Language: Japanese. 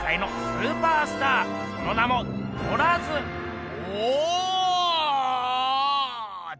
その名もおおっ！